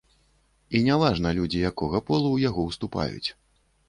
І не важна, людзі якога полу ў яго ўступаюць.